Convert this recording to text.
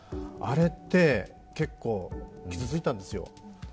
あれって結構、傷ついたんですよ。